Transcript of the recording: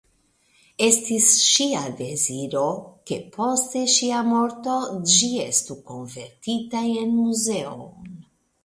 Estis ŝia deziro ke post ŝia morto ĝi estu konvertita en muzeon.